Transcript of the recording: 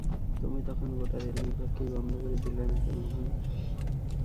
তুমি তখন গোটা রেল বিভাগকেই বন্ধ দিলে না কেন, হুম?